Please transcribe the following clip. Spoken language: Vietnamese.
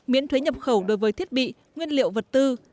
miễn thuế nhập khẩu đối với thiết bị nguyên liệu vật tư